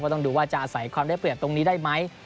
ต้องดูว่าจะอาศัยความได้เปรียบตรงนี้ได้ไหม